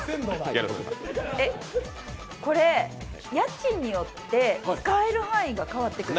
家賃によって使える範囲が変わってくる？